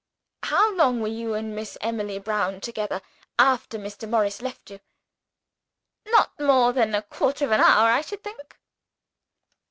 "How long were you and Miss Emily Brown together, after Mr. Morris left you?" "Not more than a quarter of an hour, I should think."